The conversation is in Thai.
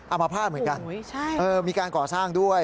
เอามาภาษณ์เหมือนกันมีการก่อสร้างด้วย